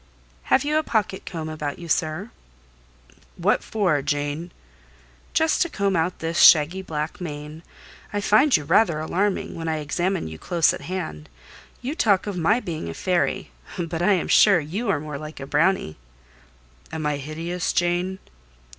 "Have you a pocket comb about you, sir?" "What for, Jane?" "Just to comb out this shaggy black mane. I find you rather alarming, when I examine you close at hand: you talk of my being a fairy, but I am sure, you are more like a brownie." "Am I hideous, Jane?"